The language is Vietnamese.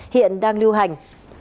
hiện đang lưu hành